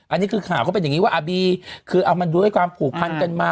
อันนี้คือข่าวเขาเป็นอย่างนี้ว่าอาบีคือเอามันด้วยความผูกพันกันมา